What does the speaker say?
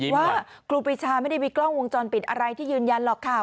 ครูปรีชาไม่ได้มีกล้องวงจรปิดอะไรที่ยืนยันหรอกค่ะ